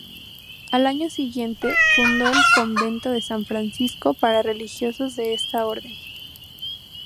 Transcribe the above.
Al año siguiente fundó el convento de San Francisco, para religiosos de esa Orden.